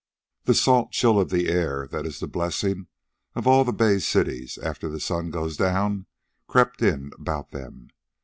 The salt chill of the air that is the blessing of all the bay cities after the sun goes down crept in about them.